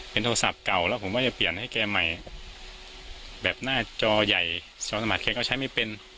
โทรศัพท์เก่าแล้วผมก็จะเปลี่ยนให้แกใหม่แบบหน้าจอใหญ่จอสมัครแกก็ใช้ไม่เป็น